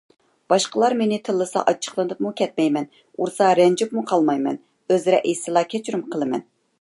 باشقىلار مېنى تىللىسا ئاچچىقلىنىپمۇ كەتمەيمەن. ئۇرسا رەنجىپمۇ قالمايمەن. ئۆزرە ئېيتسىلا، كەچۈرۈم قىلىمەن.